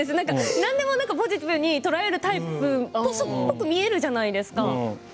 何でもポジティブにとれるタイプっぽく見えるじゃないですか。